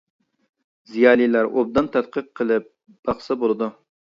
زىيالىيلار ئوبدان تەتقىق قىلىپ باقسا بولىدۇ.